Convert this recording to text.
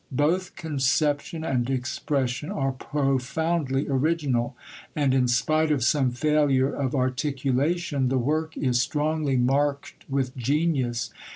Both conception and expression are profoundly original, and, in spite of some failure of articulation, the work is strongly marked with genius.